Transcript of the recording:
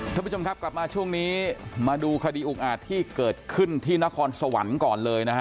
ท่านผู้ชมครับกลับมาช่วงนี้มาดูคดีอุกอาจที่เกิดขึ้นที่นครสวรรค์ก่อนเลยนะฮะ